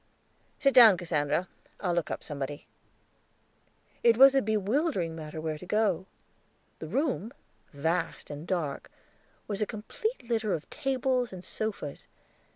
"Sit down, Cassandra. I'll look up somebody." It was a bewildering matter where to go; the room, vast and dark, was a complete litter of tables and sofas.